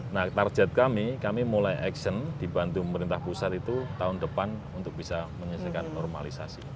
nah target kami kami mulai action dibantu pemerintah pusat itu tahun depan untuk bisa menyelesaikan normalisasi